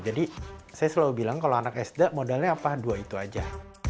jadi saya selalu bilang kalau anak sd modalnya apa dua itu aja